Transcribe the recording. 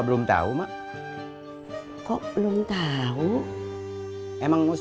belum tahu kok belum tahu emang mus